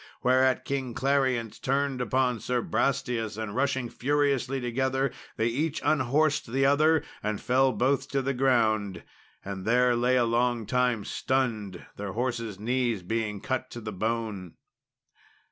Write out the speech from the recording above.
Whereat King Clarience turned upon Sir Brastias, and rushing furiously together they each unhorsed the other and fell both to the ground, and there lay a long time stunned, their horses' knees being cut to the bone.